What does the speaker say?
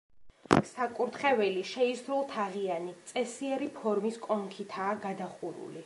საკურთხეველი შეისრულთაღიანი, წესიერი ფორმის კონქითაა გადახურული.